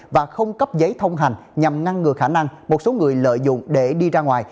và không cấp giấy thông hành nhằm ngăn ngừa khả năng một số người lợi dụng để đi ra ngoài